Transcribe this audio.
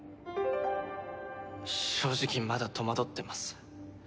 正直まだ戸惑ってます。